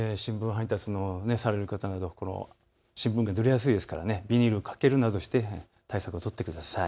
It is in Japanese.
配達される方など新聞がぬれやすいですからビニールをかけるなどして対策を取ってください。